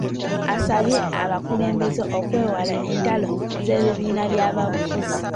Asabye abakulembeze okwewala entalo z’ebibiina by’obufuzi.